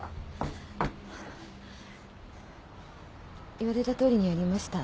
言われたとおりにやりました。